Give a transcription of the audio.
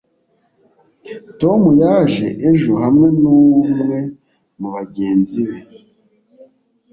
tom yaje ejo hamwe numwe mubagenzi be